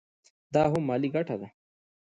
دا هم مالي ګټه ده.